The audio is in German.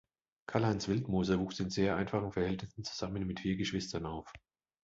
Karl-Heinz Wildmoser wuchs in sehr einfachen Verhältnissen zusammen mit vier Geschwistern auf.